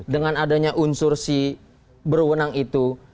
dengan adanya unsur si berwenang itu